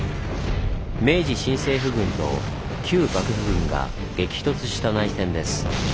明治新政府軍と旧幕府軍が激突した内戦です。